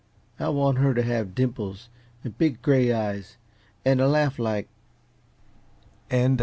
I'll want her to have dimples and big, gray eyes and a laugh like " CHAPTER VIII.